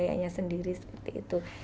dengan budayanya sendiri seperti itu